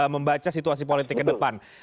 membaca situasi politik ke depan